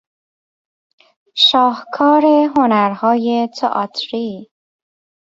شاهکار هنرهای تئاتری